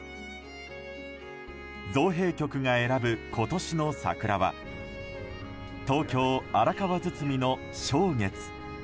造幣局が選ぶ今年の桜は東京・荒川堤の松月。